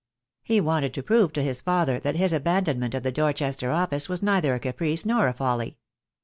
He wanted to prove to his father that his abandonment of the Dorchester office was neither a caprice nor a folly.